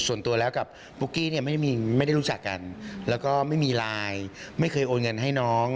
ส่วนตัวแล้วกับปุ๊กกี้เนี่ยไม่ได้รู้จักกันแล้วก็ไม่มีไลน์ไม่เคยโอนเงินให้น้อง